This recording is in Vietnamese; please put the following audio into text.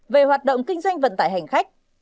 về hoạt động kinh doanh vận tải hành khách